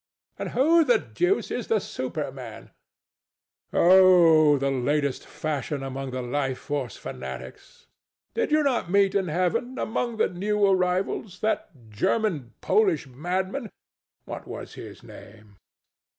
THE STATUE. And who the deuce is the Superman? THE DEVIL. Oh, the latest fashion among the Life Force fanatics. Did you not meet in Heaven, among the new arrivals, that German Polish madman what was his name?